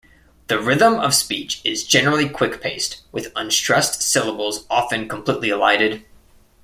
The rhythm of speech is generally quick-paced, with unstressed syllables often completely elided.